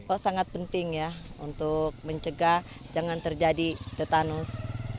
oh sangat penting ya untuk mencegah jangan terjadi tetanus